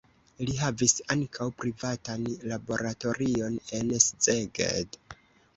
Li havis ankaŭ privatan laboratorion en Szeged.